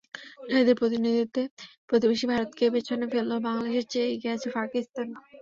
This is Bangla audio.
নারীদের প্রতিনিধিত্বে প্রতিবেশী ভারতকে পেছনে ফেললেও বাংলাদেশের চেয়ে এগিয়ে আছে পাকিস্তান।